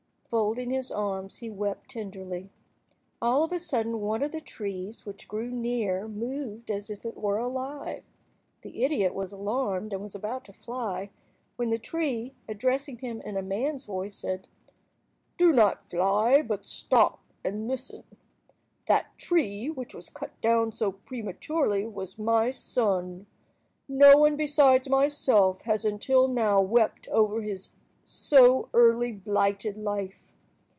Folding his arms, he wept tenderly. All of a sudden one of the trees which grew near moved as if it were alive. The idiot was alarmed, and was about to fly, when the tree, addressing him in a man's voice, said— "Do not fly, but stop and listen. That tree, which was cut down so prematurely, was my son. No one besides myself has until now wept over his so early blighted life.